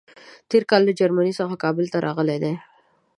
تېر کال له جرمني څخه کابل ته راغلی دی.